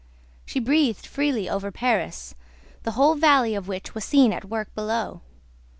She breathed freely over Paris, the whole valley of which was seen at work below.